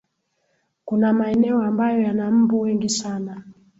kuna maeneo ambayo yana mbu wengi sana